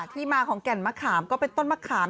ที่มาของแก่นมะขามก็เป็นต้นมะขาม